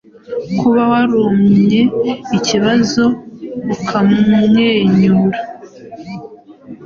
Kuba warumye ikibazo ukamwenyura